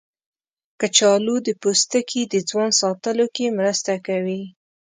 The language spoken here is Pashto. کچالو د پوستکي د ځوان ساتلو کې مرسته کوي.